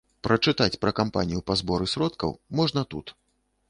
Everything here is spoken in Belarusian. Прачытаць пра кампанію па зборы сродкаў можна тут.